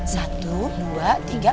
satu dua tiga